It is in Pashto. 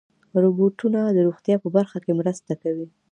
روبوټونه د روغتیا په برخه کې مرسته کوي.